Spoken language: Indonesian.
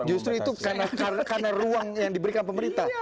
justru itu karena ruang yang diberikan pemerintah